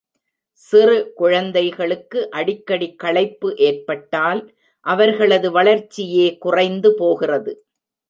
சிறு குழந்தைகளுக்கு அடிக்கடி களைப்பு ஏற்பட்டால் அவர்களது வளர்ச்சியே குறைந்து போகிறது.